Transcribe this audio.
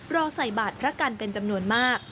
รอใส่บาทพระกันเป็นจำนวนมาก